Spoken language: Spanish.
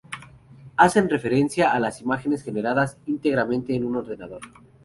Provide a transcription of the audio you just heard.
Hacen referencia a las imágenes generadas íntegramente en un ordenador.